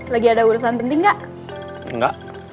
lagi ada urusan penting gak